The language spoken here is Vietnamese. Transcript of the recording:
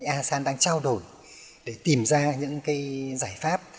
asean đang trao đổi để tìm ra những cái giải pháp